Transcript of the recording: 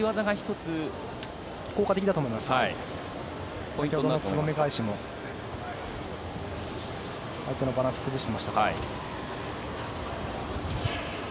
つばめ返しも相手のバランスを崩していましたから。